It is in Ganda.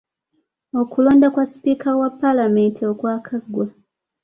Okulonda kwa sipiika wa Paalamenti okwakaggwa.